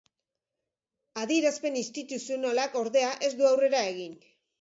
Adierazpen instituzionalak, ordea, ez du aurrera egin.